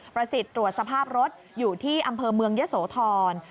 สิทธิ์ตรวจสภาพรถอยู่ที่อำเภอเมืองยะโสธร